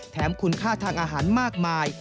แถมคุณค่าทางอาหารมากมาย